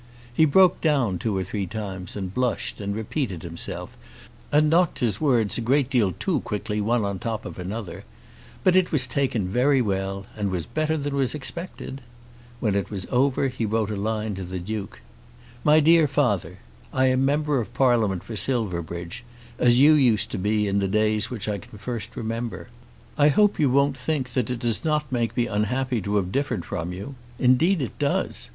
He broke down two or three times and blushed, and repeated himself, and knocked his words a great deal too quickly one on the top of another. But it was taken very well, and was better than was expected. When it was over he wrote a line to the Duke. MY DEAR FATHER, I am Member of Parliament for Silverbridge, as you used to be in the days which I can first remember. I hope you won't think that it does not make me unhappy to have differed from you. Indeed it does.